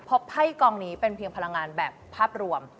เพราะไพ่กองนี้เป็นเพียงพลังงานแบบภาพรวม